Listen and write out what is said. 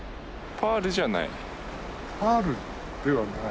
パールではない。